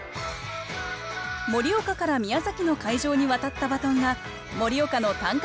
盛岡から宮崎の会場に渡ったバトンが盛岡の短歌